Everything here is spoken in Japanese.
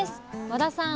和田さん